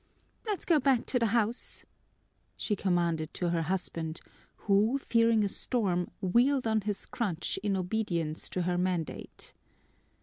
"Let's go back to the house," she commanded to her husband, who, fearing a storm, wheeled on his crutch in obedience to her mandate.